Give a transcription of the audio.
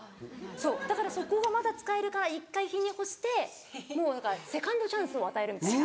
そうだからそこがまだ使えるから一回日に干してもうだからセカンドチャンスを与えるみたいな。